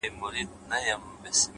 تکرار مهارت ته ژوند ورکوي!